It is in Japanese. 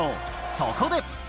そこで。